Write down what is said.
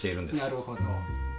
なるほど。